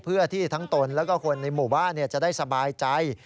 เพื่อที่ทั้งตนแล้วก็คนในหมู่บ้านจะได้สบายใจ